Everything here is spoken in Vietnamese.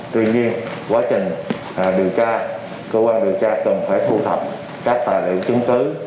tuy nhiên quá trình điều tra cơ quan điều tra cần phải thu thập các tài liệu chứng cứ